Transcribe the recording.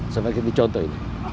sebagai contoh ini